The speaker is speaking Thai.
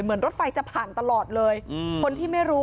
เหมือนรถไฟจะผ่านตลอดเลยอืมคนที่ไม่รู้